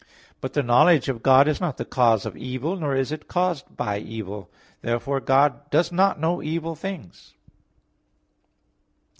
But the knowledge of God is not the cause of evil, nor is it caused by evil. Therefore God does not know evil things.